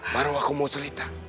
baru aku mau cerita